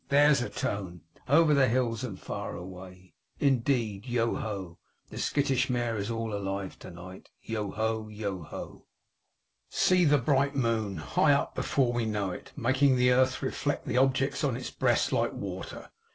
There's a tone!' over the hills and far away,' indeed. Yoho! The skittish mare is all alive to night. Yoho! Yoho! See the bright moon! High up before we know it; making the earth reflect the objects on its breast like water.